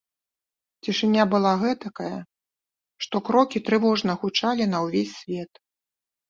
Цішыня была гэтакая, што крокі трывожна гучалі на ўвесь свет.